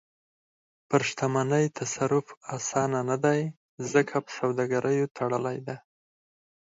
پر شتمنۍ تصرف اسانه نه دی، ځکه په سوداګریو تړلې ده.